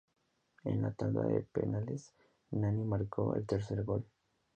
En la tanda de penales, Nani marcó el tercer gol.